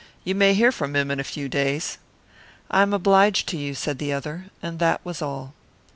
You may hear from him in a few days." "I am obliged to you," said the other, and that was all.